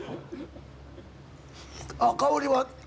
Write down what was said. あっ香りは。